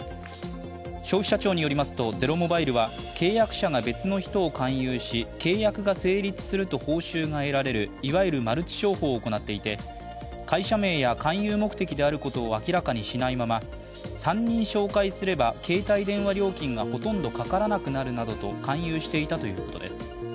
消費者庁によりますと、ゼロモバイルは契約者が別の人を勧誘し、契約が成立すると報酬が得られるいわゆるマルチ商法を行っていて会社名や勧誘目的であることを明らかにしないまま、３人紹介すれば、携帯電話料金がほとんどかからなくなると勧誘していたということです。